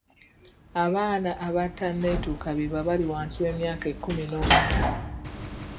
Abaana abatanetuuka beebo abali wansi w'emyaka ekkumi n'omunaana .